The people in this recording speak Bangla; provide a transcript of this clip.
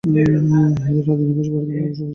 এদের আদি নিবাস ভারতের মণিপুর রাজ্যে।